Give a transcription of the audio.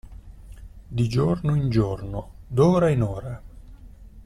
Di giorno in giorno, d'ora in ora.